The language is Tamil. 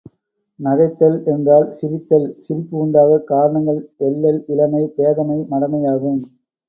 நகைத்தல் என்றால் சிரித்தல். சிரிப்பு உண்டாகக் காரணங்கள் எள்ளல், இளமை, பேதமை, மடமை ஆகும்.